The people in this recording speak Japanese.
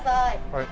はい。